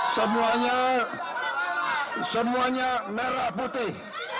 semuanya semuanya merah putih